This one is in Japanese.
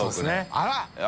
あら！